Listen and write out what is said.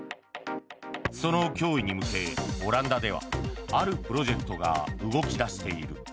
その脅威に向け、オランダではあるプロジェクトが動き出している。